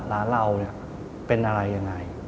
ร้านเราเป็นอะไรยังไง